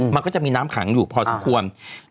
มันก็จะมีน้ำขังอยู่พอสมควร